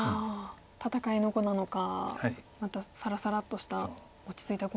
戦いの碁なのかまたさらさらっとした落ち着いた碁なのか。